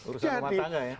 urusan rumah tangga ya